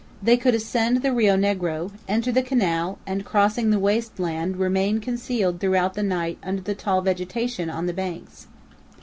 They could ascend the Rio Negro, enter the canal, and, crossing the waste land, remain concealed throughout the night under the tall vegetation on the banks.